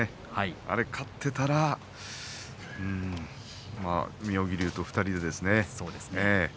あれ勝っていましたら妙義龍と２人で。